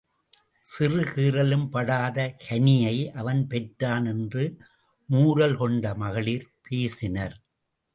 சிறு கீறலும் படாத கனியை அவன் பெற்றான் என்று மூரல் கொண்ட மகளிர் பேசினர்.